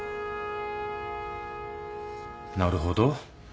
なるほど。